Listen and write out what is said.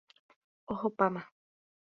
Ohopáma.